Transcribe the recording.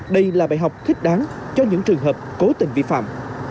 đây là bài học thích đáng cho những trường hợp cố tình vi phạm